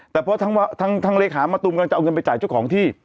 แต่เพราะทางเลขามะตูมกำลังจะเอาเงินไปจ่ายเจ้าของที่